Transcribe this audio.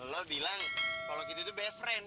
lo bilang kalo gitu tuh best friend